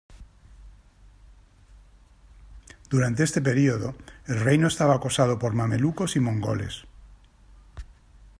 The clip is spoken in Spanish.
Durante este periodo, el reino estaba acosado por Mamelucos y Mongoles.